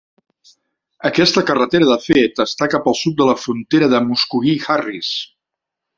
Aquesta carretera, de fet, està cap al sud de la frontera de Muscogee-Harris.